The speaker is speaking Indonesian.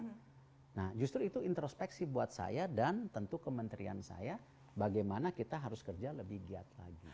nah justru itu introspeksi buat saya dan tentu kementerian saya bagaimana kita harus kerja lebih giat lagi